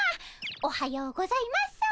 おはようございます。